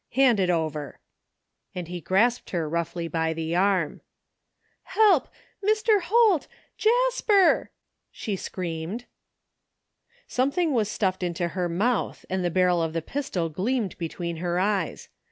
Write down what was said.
Hand it over !" and he grasped her roughly by the arm, " Help ! Mr. Holt ! Jasper! '' she screamed. Something was stuffed into her mouth and the barrel of the pistol gleamed between her eyes.